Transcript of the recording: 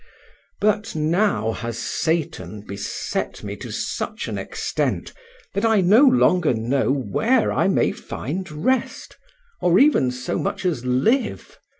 But now has Satan beset me to such an extent that I no longer know where I may find rest, or even so much as live.